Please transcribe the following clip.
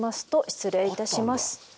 失礼いたします。